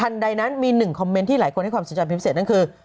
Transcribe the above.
ใดนั้นมีหนึ่งคอมเมนต์ที่หลายคนให้ความสนใจเป็นพิเศษนั่นคือ